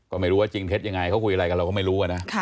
ก็ไม่รู้ว่าจริงเท็จยังไงเขาคุยอะไรกันเราก็ไม่รู้นะ